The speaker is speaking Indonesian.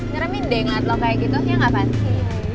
ngeramin dengat lo kayak gitu ya nggak pasti